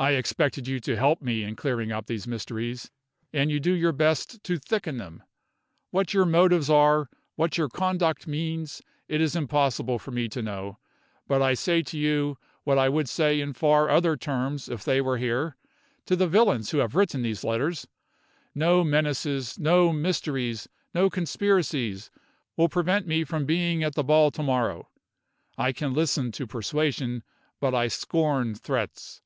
"I expected you to help me in clearing up these mysteries, and you do your best to thicken them. What your motives are, what your conduct means, it is impossible for me to know, but I say to you, what I would say in far other terms, if they were here, to the villains who have written these letters no menaces, no mysteries, no conspiracies, will prevent me from being at the ball to morrow. I can listen to persuasion, but I scorn threats.